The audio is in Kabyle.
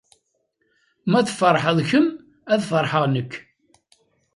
Ma tfeṛḥed kemm, ad feṛḥeɣ nekk.